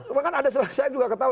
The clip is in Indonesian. itu kan ada salah saya juga ketawa